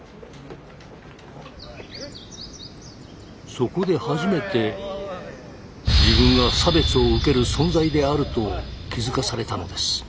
そこで初めて自分が差別を受ける存在であると気づかされたのです。